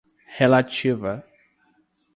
relativa